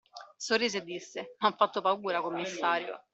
Sorrise e disse: M'ha fatto paura, commissario!